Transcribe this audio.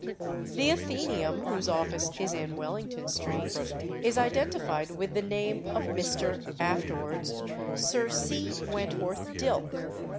The Athenæum, whose office is in Wellington Street, is identified with the name of Mr. (afterwards) Sir C. Wentworth Dilke.